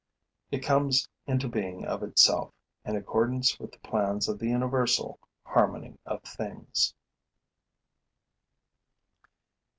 It comes into being of itself, in accordance with the plans of the universal harmony of things.